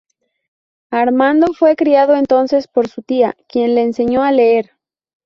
Armando fue criado entonces por su tía, quien le enseñó a leer.